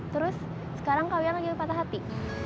terus sekarang kalian lagi patah hati